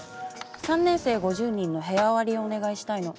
３年生５０人の部屋割りをお願いしたいの。